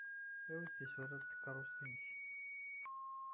Awey-d tisura n tkeṛṛust-nnek.